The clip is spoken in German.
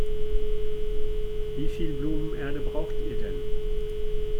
Wie viel Blumenerde braucht ihr denn?